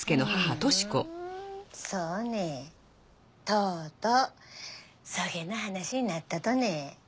とうとうそげな話になったとね。